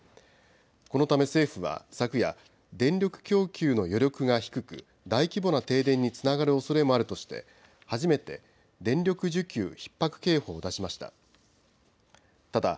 このため政府は、昨夜、電力供給の余力が低く、大規模な停電につながるおそれもあるとして、初めて電力需給ひっ迫警報を出しました。